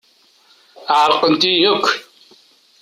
Ɛerqent-iyi akk.